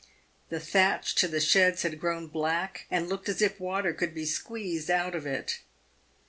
The thatch to the sheds had grown black, and looked as if water could be squeezed out of it.